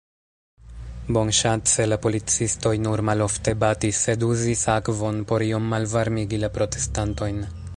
Bonŝance la policistoj nur malofte batis, sed uzis akvon, por iom malvarmigi la protestantojn.